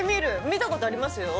見たことありますよ